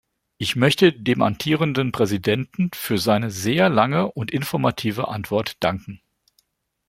Ich möchte dem amtierenden Präsidenten für seine sehr lange und informative Antwort danken.